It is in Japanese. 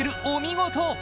お見事！